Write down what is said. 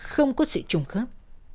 không có sự trùng khớp